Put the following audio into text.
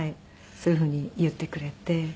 そういうふうに言ってくれて。